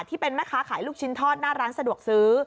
ที่เป็นแม่ค้าขายลูกชิ้นทอดหน้าร้านสะดวกซื้อ